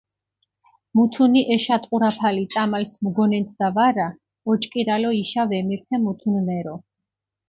მუთუნი ეშატყურაფალი წამალს მუგონენთდა ვარა, ოჭკირალო იშა ვემირთე მუთუნნერო.